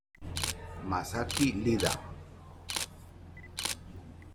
Masaki Iida